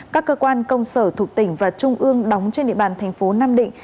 các cơ quan công sở thuộc tỉnh và trung ương đóng trên địa bàn thành phố nam định